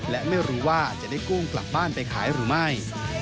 และไม่รู้ว่าจะได้กุ้งกลับบ้านไปขายหรือไม่